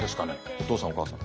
お父さんお母さん。